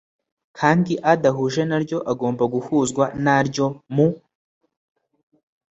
kandi adahuje naryo agomba guhuzwa naryo mu